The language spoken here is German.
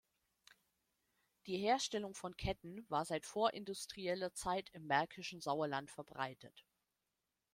Die Herstellung von Ketten war seit vorindustrieller Zeit im märkischen Sauerland verbreitet.